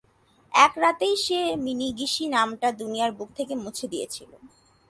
এক রাতেই সে মিনিগিশি নামটা দুনিয়ার বুক থেকে মুছে দিয়েছিল।